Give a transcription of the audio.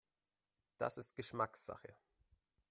Das ist Geschmackssache.